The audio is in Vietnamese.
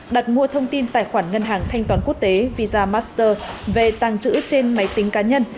đặt mua thông tin tài khoản ngân hàng thanh toán quốc tế visa master về tàng trữ trên máy tính cá nhân